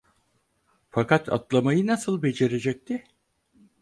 Fakat atlamayı nasıl becerecekti?